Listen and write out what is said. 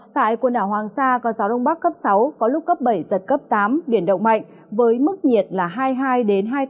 tại quần đảo hoàng sa có gió đông bắc cấp sáu có lúc cấp bảy giật cấp tám biển động mạnh